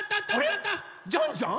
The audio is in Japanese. ジャンジャン？